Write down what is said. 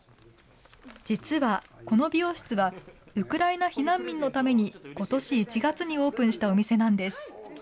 実はこの美容室は、ウクライナ避難民のためにことし１月にオープンしたお店なんです。